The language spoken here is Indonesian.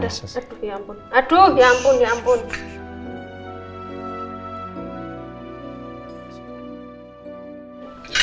aduh ya ampun ya ampun